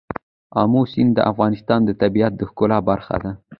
آمو سیند د افغانستان د طبیعت د ښکلا برخه ده.